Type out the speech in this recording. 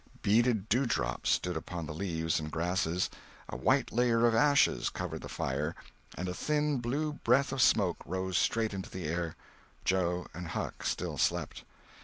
Beaded dewdrops stood upon the leaves and grasses. A white layer of ashes covered the fire, and a thin blue breath of smoke rose straight into the air. Joe and Huck still slept.